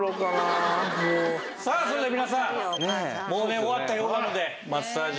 さあそれでは皆さんもうね終わったようなのでマッサージ。